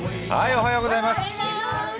おはようございます。